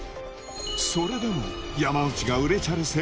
それでも山内が売れチャレ